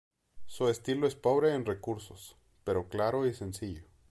Su estilo es pobre en recursos, pero claro y sencillo.